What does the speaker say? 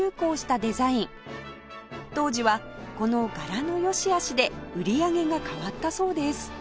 当時はこの柄の善しあしで売り上げが変わったそうです